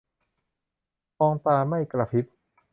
มองตาไม่กะพริบ